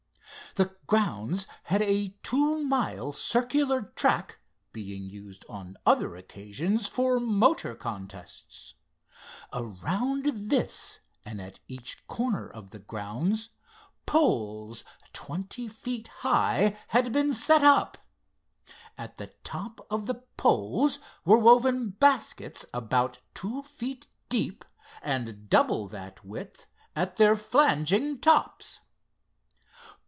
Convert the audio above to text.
The grounds had a two mile circular track, being used on other occasions for motor contests. Around this, and at each corner of the grounds, poles twenty feet high had been set up. At the top of the poles were woven baskets about two feet deep and double that width at their flanging tops.